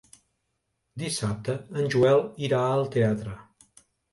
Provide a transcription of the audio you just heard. Dissabte en Joel irà al teatre.